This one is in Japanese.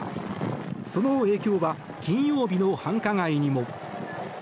その影響は金曜日の繁華街にも。